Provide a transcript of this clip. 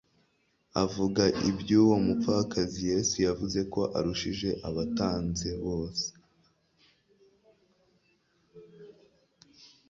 Avuga iby'uwo mupfakazi, Yesu yavuze ko arushije abatanze bose.